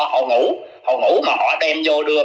họ ngủ họ ngủ mà họ đem vô đường